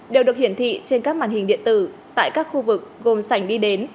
đều được hiển thị trên các màn hình điện tử tại các khu vực gồm sảnh đi đến